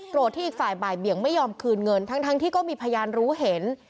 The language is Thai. ที่อีกฝ่ายบ่ายเบี่ยงไม่ยอมคืนเงินทั้งที่ก็มีพยานรู้เห็น